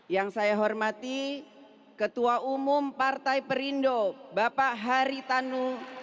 yang saya hormati ketua umum partai perindo bapak haritanu